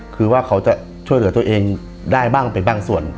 คือว่าเขาจะช่วยเหลือตัวเองได้บ้างเป็นบางส่วน